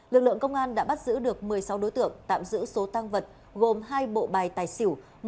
lực lượng công an đã bắt giữ được một mươi sáu đối tượng tạm giữ số tăng vật gồm hai bộ bài tài xỉu